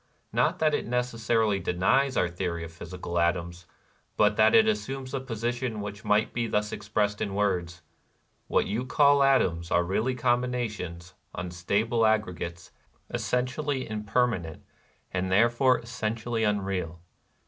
Not that it necessarily denies our theory of physical atoms, but that it assumes a position which might be thus expressed in words : "What you call atoms are really combina tions, unstable aggregates, essentially imper manent, and therefore essentially unreal.